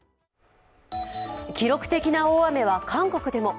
記録的な大雨は韓国でも。